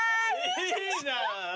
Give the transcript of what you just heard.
いいじゃん。